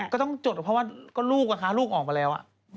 ก็ต้องจดเพราะว่าก็ลูกนะคะลูกออกมาแล้ว